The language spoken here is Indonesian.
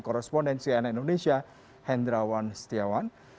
korrespondensi anak indonesia hendrawan setiawan